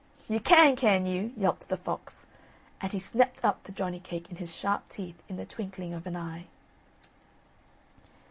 "You can, can you?" yelped the fox, and he snapped up the Johnny cake in his sharp teeth in the twinkling of an eye.